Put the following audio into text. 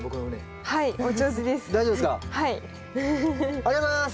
ありがとうございます！